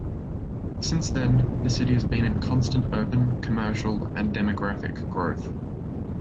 Since then, the city has been in a constant urban, commercial and demographic growth.